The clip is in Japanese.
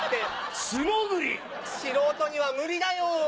素人には無理だよ。